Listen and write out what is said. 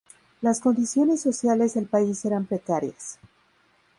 Las condiciones sociales del país eran precarias.